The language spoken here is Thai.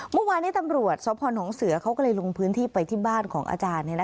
เมื่อวานนี้ตำรวจสพนเสือเขาก็เลยลงพื้นที่ไปที่บ้านของอาจารย์